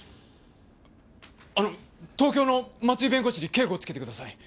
あの東京の松井弁護士に警護をつけてください。